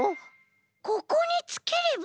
ここにつければ。